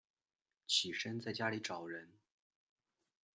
起身在家里找人